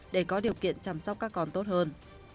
để có điều kiện chăm sóc các con tốt hơn